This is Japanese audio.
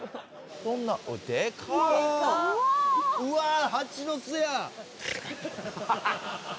うわ！